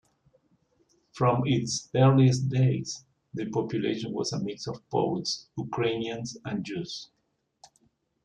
From its earliest days, the population was a mix of Poles, Ukrainians and Jews.